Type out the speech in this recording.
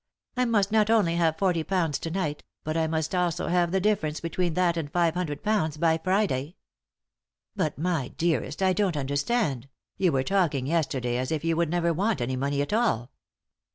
" I must not only have forty pounds to night, but I must also have the difference between that and five hundred pounds by Friday." "But, my dearest, I don't understand — you were talking yesterday as if you would never want any money at all."